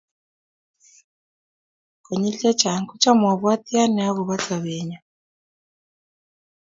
konyil chechang kochan abwati ane agoba sobenyoo